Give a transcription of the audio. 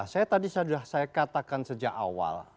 saya tadi sudah saya katakan sejak awal